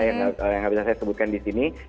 yang bisa saya sebutkan di sini